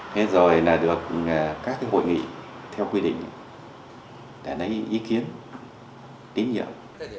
thế rồi là được các cái hội nghị theo quy định để lấy ý kiến tín nhiệm